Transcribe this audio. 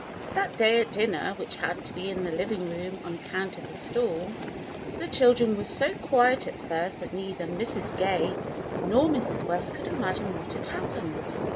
That day at dinner, which had to be in the living room on account of the storm, the children were so quiet at first that neither Mrs. Gay nor Mrs. West could imagine what had happened.